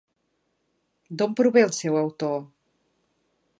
D'on prové el seu autor?